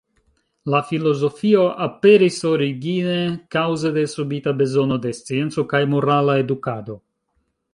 La filozofio aperis origine kaŭze de subita bezono de scienco kaj morala edukado.